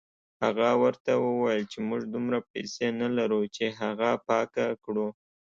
هغه ورته وویل چې موږ دومره پیسې نه لرو چې هغه پاکه کړو.